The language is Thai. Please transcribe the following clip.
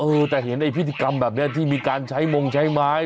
เออแต่เห็นไอ้พิธีกรรมแบบนี้ที่มีการใช้มงใช้ไม้